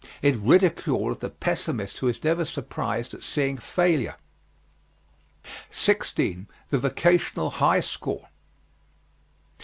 In ridicule of the pessimist who is never surprised at seeing failure. 16. THE VOCATIONAL HIGH SCHOOL.